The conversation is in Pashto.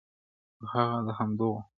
• خو هغه د همدغو -